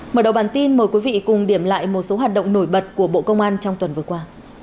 mở đầu bản tin mời quý vị cùng điểm lại một số hoạt động nổi bật của bộ công an trong tuần vừa qua